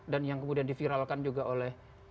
dan yang kemudian diviralkan juga oleh